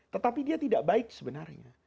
tetapi dia tidak baik sebenarnya